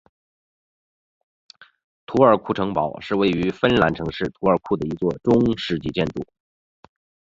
图尔库城堡是位于芬兰城市图尔库的一座中世纪建筑。